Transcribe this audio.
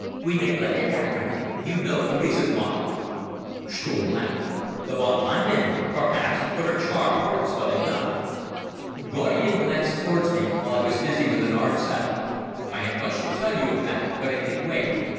We neglected Africa. You know the reason why." Stumm laughed. "The von Einem! Perhaps, but her charm works well enough." Gaudian glanced towards me while I was busy with an orange salad. "I have much to tell you of that. But it can wait.